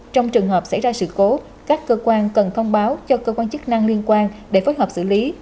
trong trường hợp xảy ra sự cố các cơ quan cần thông báo cho cơ quan chức năng liên quan để phối hợp xử lý